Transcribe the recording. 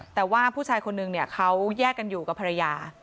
แต่ว่าผู้ชายคนนึงเนี่ยเขาแยกกันอยู่กับภรรยา